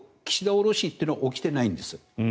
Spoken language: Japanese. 降ろしというのは起きてないんです。